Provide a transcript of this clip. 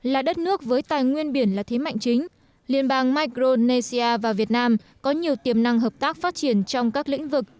là đất nước với tài nguyên biển là thế mạnh chính liên bang micronesia và việt nam có nhiều tiềm năng hợp tác phát triển trong các lĩnh vực